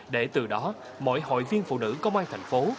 để từ đó mỗi hội viên phụ nữ công an thành phố